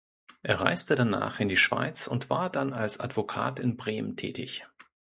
Er reiste danach in die Schweiz und war dann als Advokat in Bremen tätig.